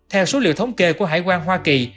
theo số liệu thống kê của hải quan hoa kỳ